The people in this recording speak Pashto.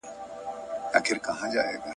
صداقت په هر کار کي اړین دئ.